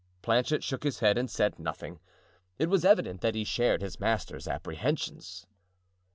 Planchet shook his head and said nothing. It was evident that he shared his master's apprehensions.